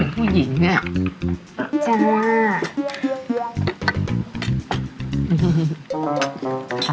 ผู้หญิงนี่อาจจะ